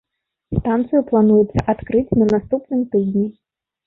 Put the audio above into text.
Станцыю плануецца адкрыць на наступным тыдні.